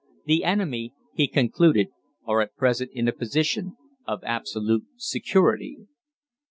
"The enemy," he concluded, "are at present in a position of absolute security."